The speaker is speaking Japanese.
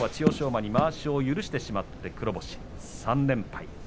馬にまわしを許してしまって３連敗